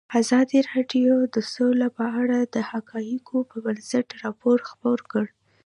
ازادي راډیو د سوله په اړه د حقایقو پر بنسټ راپور خپور کړی.